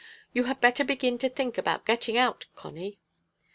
You had better begin to think about getting out, Connie."